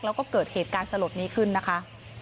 แล้วก็เกิดเหตุการณ์สลดนี้ขึ้นนะคะ